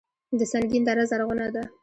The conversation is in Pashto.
د سنګین دره زرغونه ده